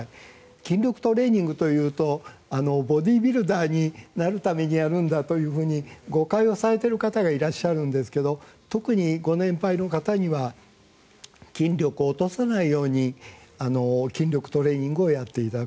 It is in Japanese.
筋力トレーニングというとボディービルダーになるためにやるんだというふうに誤解をされている方がいらっしゃるんですが特にご年配の方には筋力を落とさないように筋力トレーニングをやっていただく。